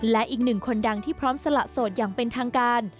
และอีกหนึ่งคนดังที่พร้อมสละโสดอย่างเป็นทางการ